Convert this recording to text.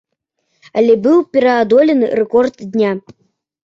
Але быў пераадолены рэкорд дня.